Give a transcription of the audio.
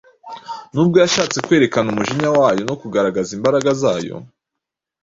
nubwo yashatse kwerekana umujinya wayo no kugaragaza imbaraga zayo